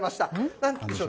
なんでしょう。